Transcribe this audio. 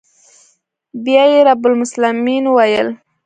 بيا يې رب المسلمين وويل.